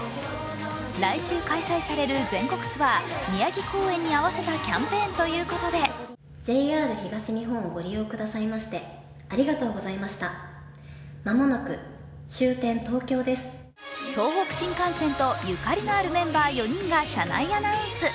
来週開催される全国ツアー宮城公演に合わせたキャンペーンということで東北新幹線とゆかりのなるメンバー４人が車内アナウンス。